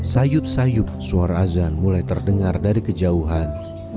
sayup sayup suara azan mulai terdengar dari kejauhan